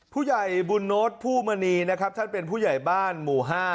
ผู้ใหญ่บุญโนตภูมินีท่านเป็นผู้ใหญ่บ้านหมู่๕